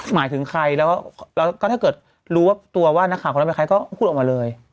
หมายถึงใครแล้วก็ถ้าเกิดรู้ว่าตัวว่านักข่าวคนนั้นเป็นใครก็พูดออกมาเลย